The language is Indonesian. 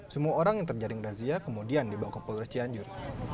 semua orang yang terjaring razia kemudian dibawa ke polres cianjur